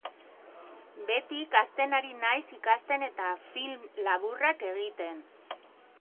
Behetik hasten ari naiz, ikasten eta film laburrak egiten.